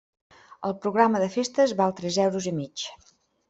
El programa de festes val tres euros i mig.